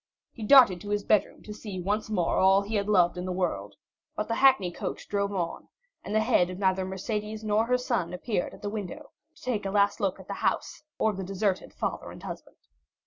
He darted to his bedroom to see once more all he had loved in the world; but the hackney coach drove on and the head of neither Mercédès nor her son appeared at the window to take a last look at the house or the deserted father and husband.